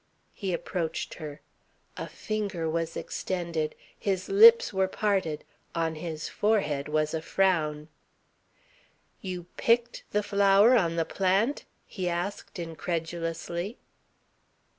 He approached her. A finger was extended, his lips were parted, on his forehead was a frown. "You picked the flower on the plant?" he asked incredulously.